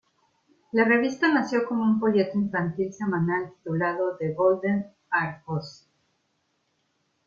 La revista nació como un folleto infantil semanal titulado The Golden Argosy.